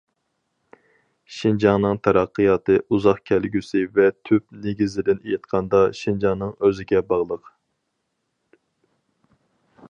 شىنجاڭنىڭ تەرەققىياتى ئۇزاق كەلگۈسى ۋە تۈپ نېگىزىدىن ئېيتقاندا، شىنجاڭنىڭ ئۆزىگە باغلىق.